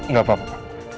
gak apa apa pak